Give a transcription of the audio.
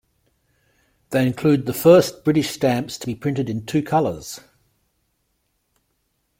They include the first British stamps to be printed in two colours.